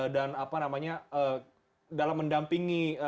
dan apa namanya dalam mendampingi